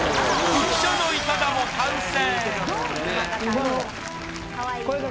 浮所のイカダも完成！